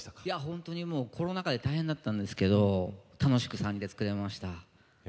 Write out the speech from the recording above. いやほんとにもうコロナ禍で大変だったんですけど楽しく３人で作れました。